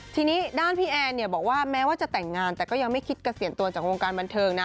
ทีนี้ด้านพี่แอนเนี่ยบอกว่าแม้ว่าจะแต่งงานแต่ก็ยังไม่คิดเกษียณตัวจากวงการบันเทิงนะ